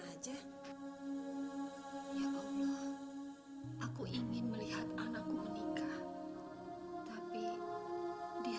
aku ingin melihat anakku menikah